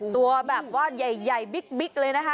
ตัวแบบว่าใหญ่บิ๊กเลยนะคะ